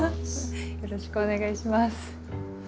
よろしくお願いします。